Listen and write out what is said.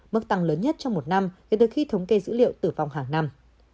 mức tăng lớn nhất trong một năm kể từ khi thống kê dữ liệu tử vong hàng năm